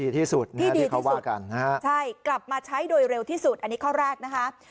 ต้องกลับมาใช้โดยเร็วที่สุดอันนี้ข้อแรกนะครับ